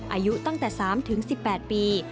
อายุตั้งแต่๓๑๘ปี